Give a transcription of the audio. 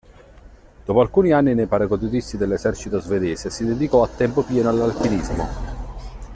Dopo alcuni anni nei paracadutisti dell'esercito svedese si dedicò a tempo pieno all'alpinismo.